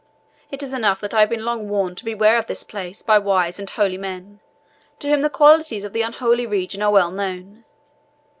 It is enough that I have been long warned to beware of this place by wise and holy men, to whom the qualities of the unholy region are well known.